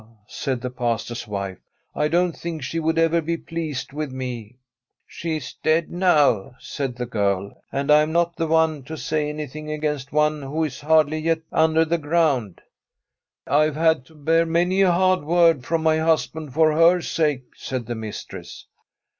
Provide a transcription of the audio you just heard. ' said the Pastor's wife, ' I don't think she would ever be pleased with me/ ' She is dead now/ said the girl, ' and I am not the one to say anything against one who is hardly yet under the ground/ ' I have had to bear many a hard word from my husband for her sake,' said the mistress.